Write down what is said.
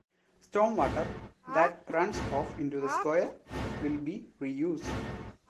Storm water that runs off into the square will be reused.